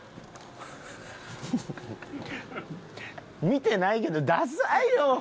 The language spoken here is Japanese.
見てないけどダサいよ多分。